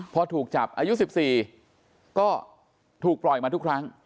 พอถูกจับอายุ๑๔ก็ถูกปล่อยมาทุกครั้ง